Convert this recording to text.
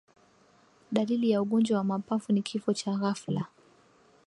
Dalili ya ugonjwa wa mapafu ni kifo cha ghafla